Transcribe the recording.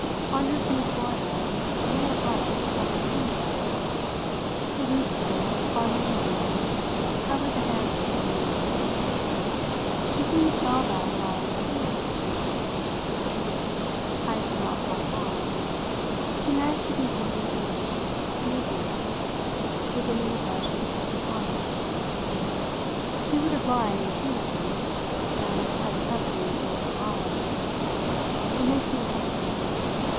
On her smooth forehead a ray of light always seemed to rest. Her loose hair, parted in the middle, covered the hands sustaining her head. She seemed spellbound by the interest of the narrative. Heyst did not pause long. He managed to continue his relation smoothly enough, beginning afresh with a piece of comment. "He would have lied impudently and I detest being told a lie. It makes me uncomfortable.